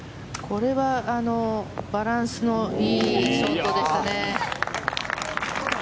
これはバランスのいいショットでしたね。